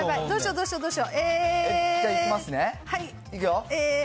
どうしよ、どうしよ。